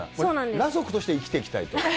裸族として生きていきたいと？